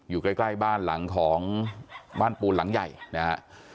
อยู่ใกล้บ้านหลังของบ้านปูนหลังใหญ่นะฮะ